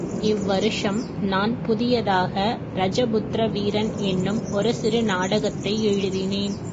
இவ்வருஷம் நான் புதியதாக, ரஜபுத்ர வீரன் என்னும் ஒரு சிறு நாடகத்தை எழுதினேன்.